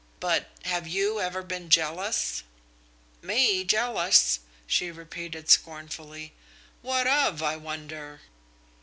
But have you ever been jealous?" "Me jealous!" she repeated scornfully. "What of, I wonder?"